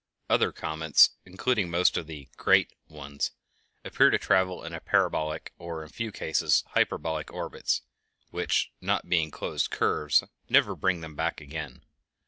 Other comets, including most of the "great" ones, appear to travel in parabolic or, in a few cases, hyperbolic orbits, which, not being closed curves, never bring them back again.